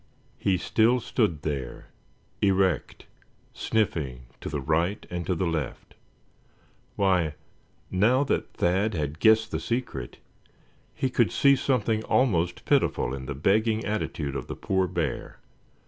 He still stood there, erect, sniffing to the right and to the left. Why, now that Thad had guessed the secret, he could see something almost pitiful in the begging attitude of the poor bear.